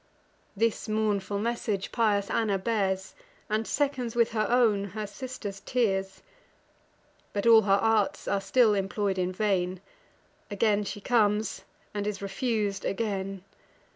This mournful message pious Anna bears, And seconds with her own her sister's tears: But all her arts are still employ'd in vain; Again she comes, and is refus'd again.